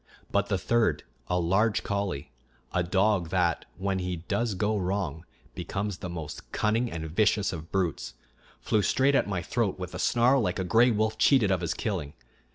But the third, a large collie, a dog that, when he does go wrong, becomes the most cunning and vicious of brutes, flew straight at my throat with a snarl like a gray wolf cheated of his killing.